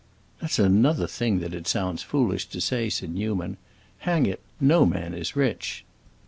"That's another thing that it sounds foolish to say," said Newman. "Hang it, no man is rich!"